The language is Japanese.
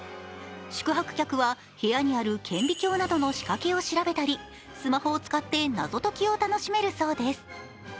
宿泊客は部屋にある顕微鏡などの仕掛けを調べたりスマホを使って謎解きを楽しめるそうです。